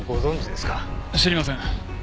知りません。